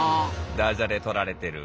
ダジャレ取られてる。